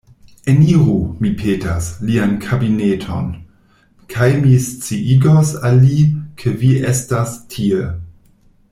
Eniru, mi petas, lian kabineton, kaj mi sciigos al li, ke vi estas tie.